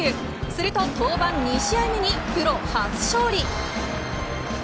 すると登板２試合目にプロ初勝利。